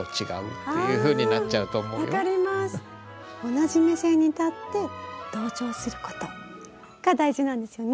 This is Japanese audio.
「同じ目線に立って同調すること」が大事なんですよね。